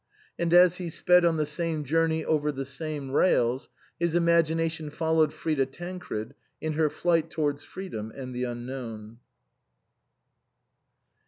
And as he sped on the same journey over the same rails, his imagination followed Frida Tancred in her flight towards freedom and the unknown.